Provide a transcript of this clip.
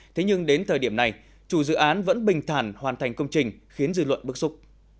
thế nhưng đến thời điểm này chủ dự án vẫn bình thản hoàn thành công trình khiến dư luận bức xúc